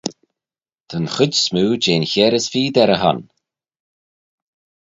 Ta'n chooid smoo jeh'n Chiare-as-Feed er-e-hon.